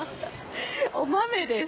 お豆です。